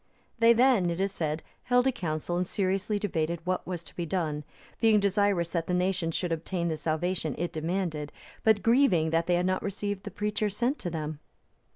They then, it is said, held a council and seriously debated what was to be done, being desirous that the nation should obtain the salvation it demanded, but grieving that they had not received the preacher sent to them.